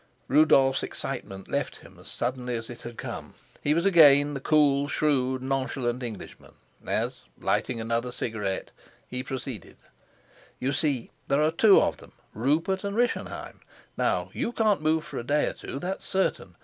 Rudolf's excitement left him as suddenly as it had come; he was again the cool, shrewd, nonchalant Englishman, as, lighting another cigarette, he proceeded: "You see, there are two of them, Rupert and Rischenheim. Now you can't move for a day or two, that's certain.